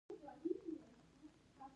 یوناني طبابت یې د پلار کسب وو.